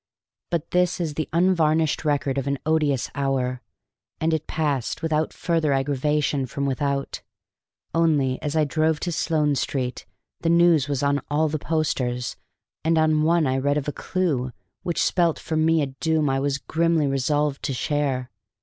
But this is the unvarnished record of an odious hour, and it passed without further aggravation from without; only, as I drove to Sloane Street, the news was on all the posters, and on one I read of "a clew" which spelt for me a doom I was grimly resolved to share.